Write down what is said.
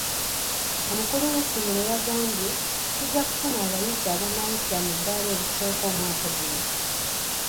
Omukulu w'essomero yagambe; tujja kufuna abayizi abanaayitira mu ddaala erisooka omwaka guno.